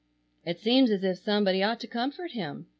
It seems as if somebody ought to comfort him.